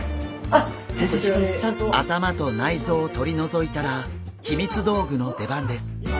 頭と内臓を取り除いたら秘密道具の出番です！